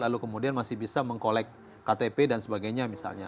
lalu kemudian masih bisa mengkolek ktp dan sebagainya misalnya